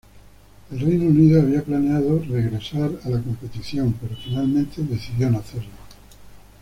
Reino Unido había planeado en regresar a la competición, pero finalmente decidió no hacerlo.